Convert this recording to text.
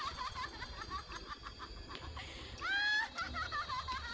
akan kuberi peranjaran sama mereka